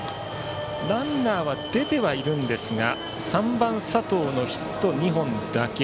ランナーは出てはいるんですが３番、佐藤のヒット２本だけ。